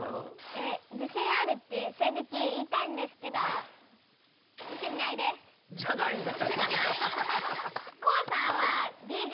え自信あるって正直言いたいんですけどじゃないんだ。